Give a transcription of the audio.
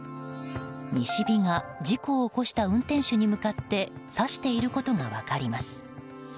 西日が事故を起こした運転手に向かって差していることが分かります。